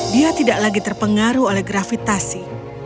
dia tidak lagi terpengaruh oleh gravitasi